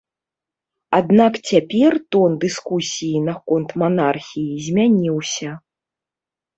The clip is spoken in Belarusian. Аднак цяпер тон дыскусіі наконт манархіі змяніўся.